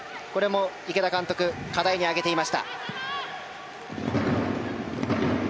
池田監督、課題に挙げていました。